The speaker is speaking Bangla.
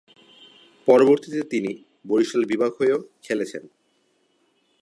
পরবর্তিতে তিনি বরিশাল বিভাগের হয়েও খেলেছেন।